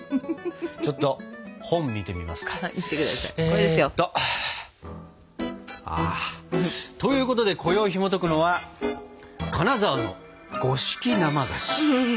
ちょっと本見てみますか。ということでこよいひもとくのは「金沢の五色生菓子」。